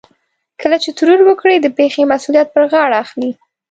کله چې ترور وکړي د پېښې مسؤليت پر غاړه اخلي.